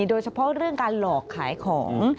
โดยเฉพาะเรื่องการหลอกขายของ